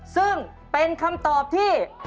ซึ่งเป็นคำตอบที่